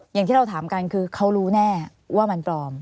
อย่างที่เราถามกันคือเขารู้แน่ว่ามันปลอม